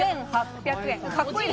５８００円。